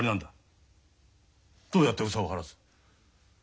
どうやって憂さを晴らす？